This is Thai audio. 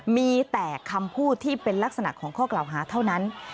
มีแต่คำพูดที่เป็นลักษณะของข้อกล่าวหาเท่านั้น